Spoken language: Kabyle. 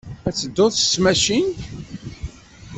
Ad tedduḍ s tmacint?